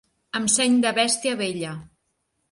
Amb seny de bèstia vella.